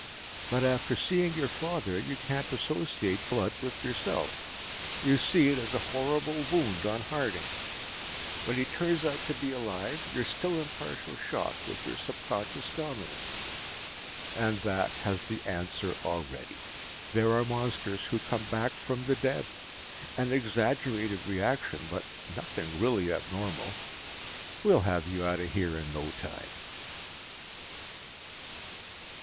"But after seeing your father, you can't associate blood with yourself you see it as a horrible wound on Harding. When he turns out to be alive, you're still in partial shock, with your subconscious dominant. And that has the answer already. There are monsters who come back from the dead! An exaggerated reaction, but nothing really abnormal. We'll have you out of here in no time."